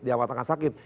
dia mengatakan sakit